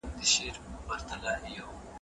که څارنه روانه وي نو خطا نه پټېږي.